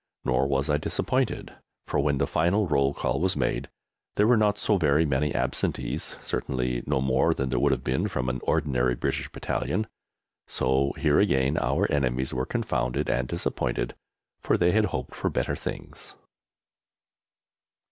Nor was I disappointed, for when the final roll call was made there were not so very many absentees, certainly no more than there would have been from an ordinary British battalion, so here again our enemies were confounded and disappointed, for they had hoped for better things.